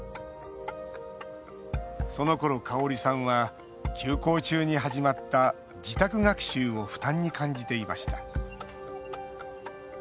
そのころ、かおりさんは休校中に始まった自宅学習を負担に感じていました。